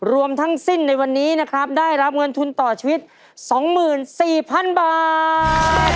รวมทั้งสิ้นในวันนี้นะครับได้รับเงินทุนต่อชีวิต๒๔๐๐๐บาท